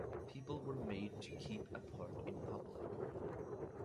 People were made to keep apart in public.